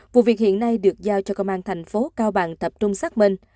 vụ việc hiện nay được giao cho công an thành phố cao bằng tập trung xác minh